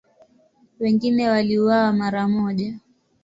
Wengine waliuawa mara moja.